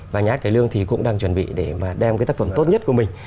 và nhà hát cái lương cũng đang chuẩn bị để đem tác phẩm tốt nhất của mình